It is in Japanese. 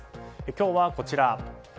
今日はこちら。